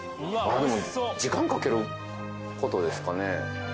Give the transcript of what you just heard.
まあでも時間かけることですかね